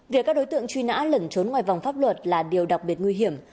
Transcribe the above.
việc các đối tượng truy nã lẩn trốn ngoài vòng pháp luật là điều đặc biệt nguy hiểm